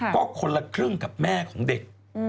ก็คนละครึ่งกับแม่ของเด็ก